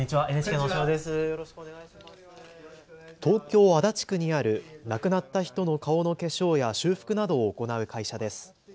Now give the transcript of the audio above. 東京足立区にある亡くなった人の顔の化粧や修復などを行う会社です。